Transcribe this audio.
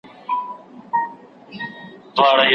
په دې جنت کي نه ځایېږم اور ته کډه کوم